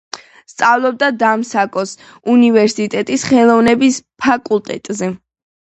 სწავლობდა დამასკოს უნივერსიტეტის ხელოვნების ფაკულტეტზე.